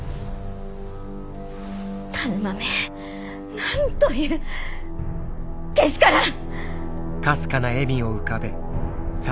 田沼めなんというけしからぬ！